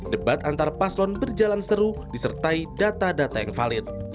debat antar paslon berjalan seru disertai data data yang valid